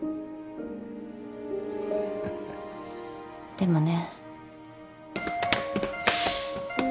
でもね。